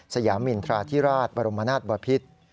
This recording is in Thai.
สยามินทราธิราชบรมนาศบพิษ